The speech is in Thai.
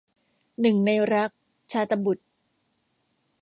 หนึ่งในรัก - ชาตบุษย์